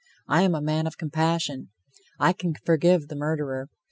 I am a man of compassion. I can forgive the murderer.